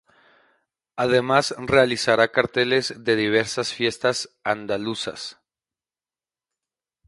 Además realizará carteles de diversas fiestas andaluzas.